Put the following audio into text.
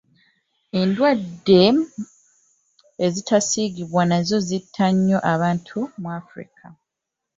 Endwadde ezitasiigibwa nazo zitta nnyo abantu mu Africa.